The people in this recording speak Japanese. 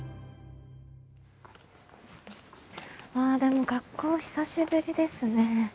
ああでも学校久しぶりですね。